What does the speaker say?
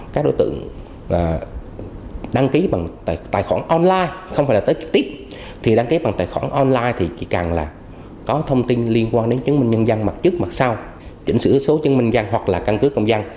các đối tượng đăng ký bằng tài khoản online không phải là tết trực tiếp thì đăng ký bằng tài khoản online thì chỉ cần là có thông tin liên quan đến chứng minh nhân dân mặt chức mặt sau chỉnh sửa số chứng minh dân hoặc là căn cứ công dân